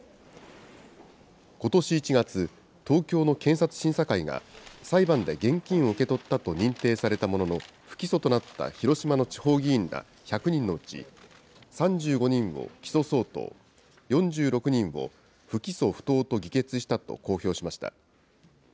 ことし１月、東京の検察審査会が、裁判で現金を受け取ったと認定されたものの、不起訴となった広島の地方議員ら１００人のうち、３５人を起訴相当、４６人を不起訴不当と議決したと公表しました。